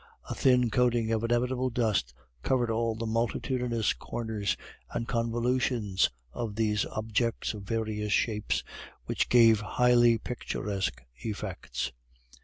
A thin coating of inevitable dust covered all the multitudinous corners and convolutions of these objects of various shapes which gave highly picturesque effects.